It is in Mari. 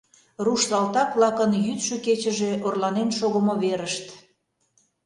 Руш салтак-влакын йӱдшӧ-кечыже орланен шогымо верышт.